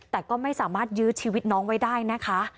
แต่ก็ไม่สามารถยื้อชีวิตน้องไว้ได้นะคะ